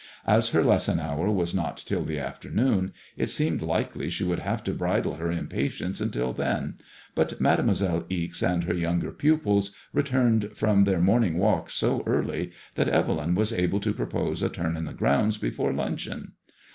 As her lesson hour was not till the afternoon, it seemed likely she would have to bridle her im patience until then, but Made moiselle Ixe and her younger pupils returned from their morn ing walk so early that Evelyn was able to propose a turn in the grounds before luncheon.